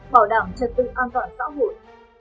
bảo đảm trật tự an toàn xã hội